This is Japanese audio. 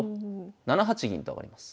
７八銀と上がります。